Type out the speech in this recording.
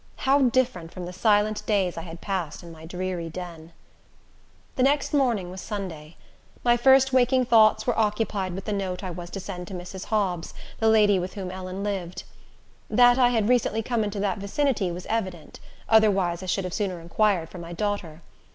How different from the silent days I had passed in my dreary den! The next morning was Sunday. My first waking thoughts were occupied with the note I was to send to Mrs. Hobbs, the lady with whom Ellen lived. That I had recently come into that vicinity was evident; otherwise I should have sooner inquired for my daughter.